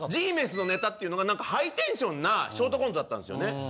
Ｇ★ＭＥＮＳのネタっていうのがハイテンションなショートコントだったんですよね。